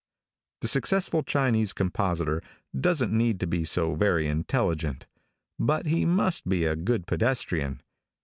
The successful Chinese compositor doesn't need to be so very intelligent, but he must be a good pedestrian.